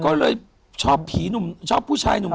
ก็เลยชอบผีหนุ่มชอบผู้ชายหนุ่ม